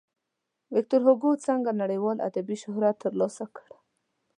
ویکتور هوګو څنګه نړیوال ادبي شهرت ترلاسه کړ.